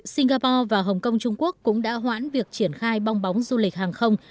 singapore và hồng kông trung quốc cũng đã hoãn việc triển khai bong bóng du lịch hàng không